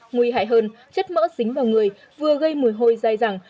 nguy hại hơn chất mỡ dính vào người vừa gây mùi hôi dai dẳng